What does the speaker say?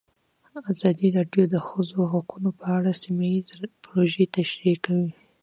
ازادي راډیو د د ښځو حقونه په اړه سیمه ییزې پروژې تشریح کړې.